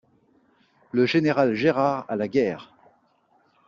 Le général Gérard à la Guerre!